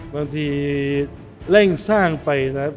บางทีเร่งสร้างไปนะครับ